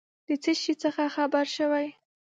د څه شي څخه خبر سوې ؟